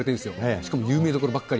しかも有名どころばっかり。